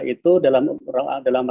itu dalam rangka upaya meminimalisir